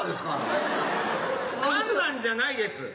かんだんじゃないです。